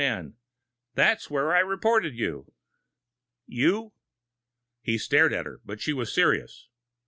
I. men. That's where I reported you." "You...." He stared at her, but she was serious.